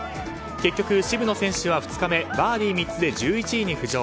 結局、渋野選手は２日目バーディー３つで１１位に浮上。